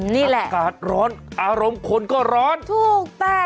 นี่แหละอากาศร้อนอารมณ์คนก็ร้อนถูกแต่